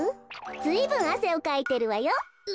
ずいぶんあせをかいてるわよ。